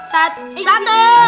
satu dua tiga